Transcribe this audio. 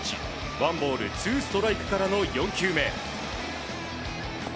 ワンボールツーストライクからの４球目。